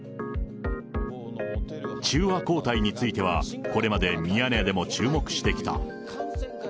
中和抗体については、これまでミヤネ屋でも注目してきた。